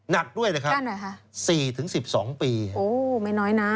นัดด้วยนัดด้วยค่ะ๔ถึง๑๒ปีโอ้ไม่น้อยนะ